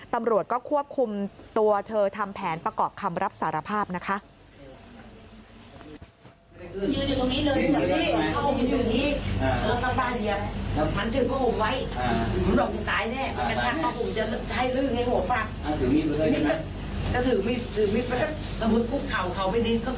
ตำรวจก็ควบคุมตัวเธอทำแผนประกอบคำรับสารภาพนะคะ